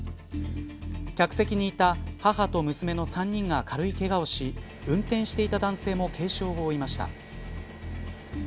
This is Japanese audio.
客席にいた母と娘の３人が軽いけがをし運転していた男性も軽傷を負いました。